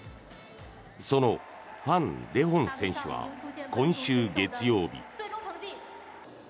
そのファン・デホン選手は今週月曜日。